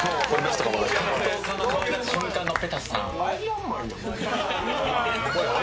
格闘家の顔になった瞬間のペタスさん。